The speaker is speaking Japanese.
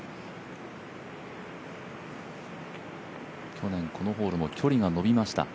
去年このホールも距離が延びました。